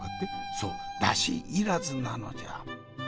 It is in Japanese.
そう出汁要らずなのじゃ。